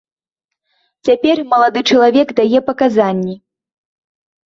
Цяпер малады чалавек дае паказанні.